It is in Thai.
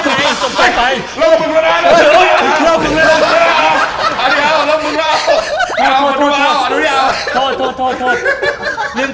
มึงเอาไปเลยคนละ๓นี้ไหน